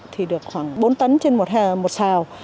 thì được khoảng bốn tấn trên một sào